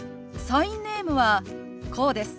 サインネームはこうです。